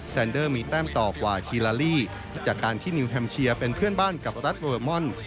แซนเดอร์มีแต้มต่อกว่าฮีลาลีจากการที่นิวแฮมเชียร์เป็นเพื่อนบ้านกับรัฐเวอร์มอน